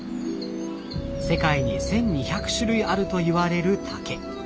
世界に１，２００種類あるといわれる竹。